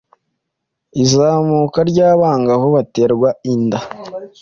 Izamuka ry’abangavu baterwa inda